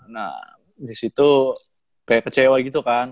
nah disitu kayak kecewa gitu kan